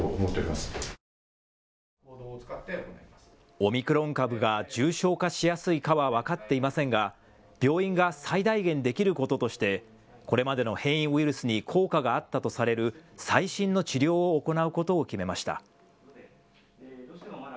オミクロン株が重症化しやすいかは分かっていませんが病院が最大限できることとしてこれまでの変異ウイルスに効果があったとされる最新の治療を行うことを決めました。